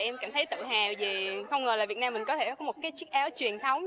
em cảm thấy tự hào vì không ngờ là việt nam mình có thể có một cái chiếc áo truyền thống